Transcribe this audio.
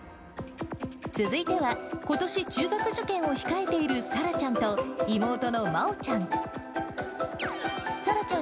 続いては、ことし中学受験を控えているさらちゃんと、妹のまおちゃん。